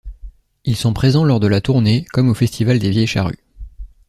Ils sont présents lors de la tournée, comme au festival des Vieilles Charrues.